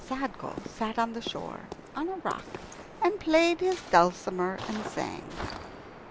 ] Sadko sat on the shore, on a rock, and played his dulcimer and sang.